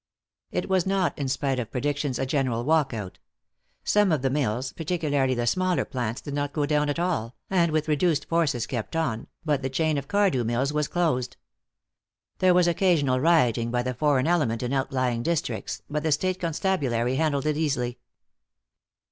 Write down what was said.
It was not, in spite of predictions, a general walk out. Some of the mills, particularly the smaller plants, did not go down at all, and with reduced forces kept on, but the chain of Cardew Mills was closed. There was occasional rioting by the foreign element in outlying districts, but the state constabulary handled it easily.